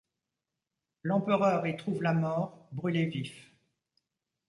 L'empereur y trouve la mort, brûlé vif.